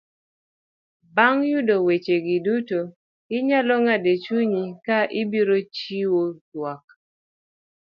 Bang' yudo weche gi duto, inyalo ng'ado e chunyi ka ibiro chiwo tuak.